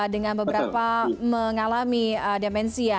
dengan beberapa mengalami demensia